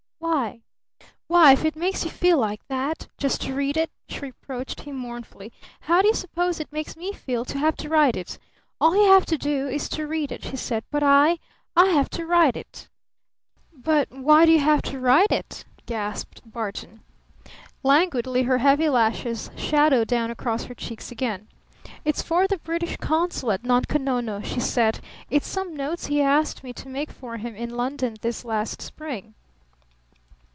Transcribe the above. "Why why, if it makes you feel like that just to read it," she reproached him mournfully, "how do you suppose it makes me feel to have to write it? All you have to do is to read it," she said. "But I? I have to write it!" "But why do you have to write it?" gasped Barton. Languidly her heavy lashes shadowed down across her cheeks again. "It's for the British consul at Nunko Nono," she said. "It's some notes he asked me to make for him in London this last spring."